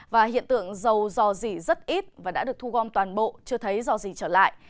và hiện tượng dầu dò dỉ rất ít và đã được thu gom toàn bộ chưa thấy do gì trở lại